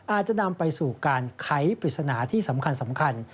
อาจจะนำไปสู่การไขปริศนาที่สำคัญ